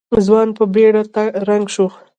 ځوان په بېړه رنګ شو.